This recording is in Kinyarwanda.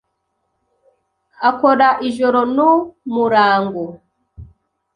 Akora ijoro n'umurango.